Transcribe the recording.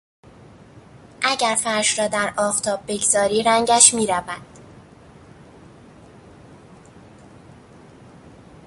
اگر فرش را در آفتاب بگذاری رنگش میرود.